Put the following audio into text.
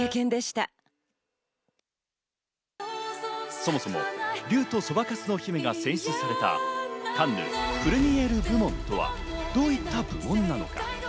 そもそも『竜とそばかすの姫』が選出されたカンヌ・プルミエール部門とはどういったものなのか。